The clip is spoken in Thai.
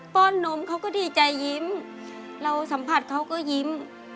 ้อนนมเขาก็ดีใจยิ้มเราสัมผัสเขาก็ยิ้ม